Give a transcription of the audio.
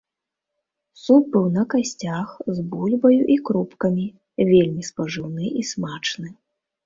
Суп быў на касцях, з бульбаю і крупкамі, вельмі спажыўны і смачны.